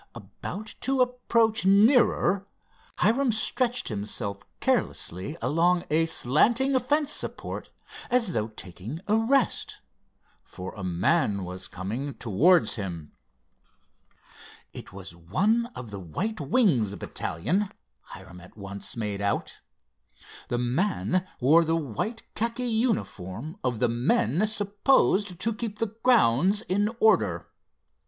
About to approach nearer, Hiram stretched himself carelessly along a slanting fence support as though taking a rest, for a man was coming towards him. It was one of the "White Wings" battalion, Hiram at once made out. The man wore the white khaki uniform of the men supposed to keep the grounds in order.